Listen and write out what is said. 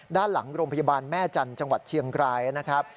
ด้านหลังโรงพยาบาลแม่จันทร์จังหวัดเชียงรายนะครับ